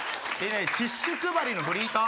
ティッシュ配りのフリーター？